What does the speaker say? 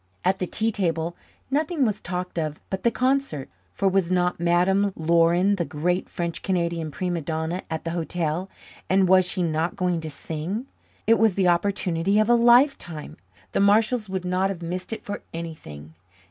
At the tea table nothing was talked of but the concert; for was not Madame Laurin, the great French Canadian prima donna, at the hotel, and was she not going to sing? It was the opportunity of a lifetime the Marshalls would not have missed it for anything.